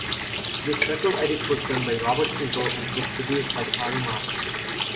This special edit was done by Robert Kinkel and was produced by Taro Meyer.